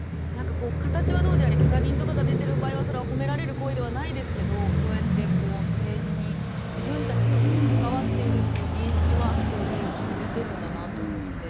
形はどうであれ怪我人とかが出ている場合はそれは褒められる行為ではないですけどそうやって政治に自分たちが関わっている認識はすごい大きく出てるんだなと思って。